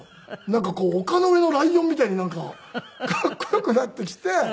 なんかこう丘の上のライオンみたいになんかかっこよくなってきて。